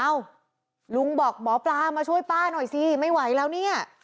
ลุงบอกหมอปลามาช่วยป้าหน่อยสิไม่ไหวแล้วเนี่ย